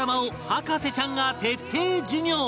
博士ちゃんが徹底授業